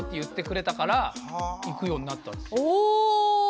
お！